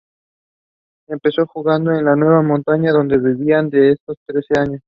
Empezó jugando en el Nueva Montaña, donde vivía desde los trece años.